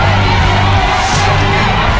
เพื่อชิงทุนต่อชีวิตสุด๑ล้านบาท